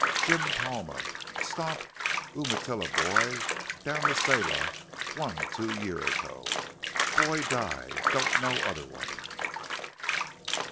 "Jim Palma. Stomp Umatilla boy down to Selah, one two year ago. Boy die. Don't know other one."